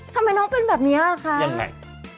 ทำไมน้องเป็นแบบนี้คะยังไง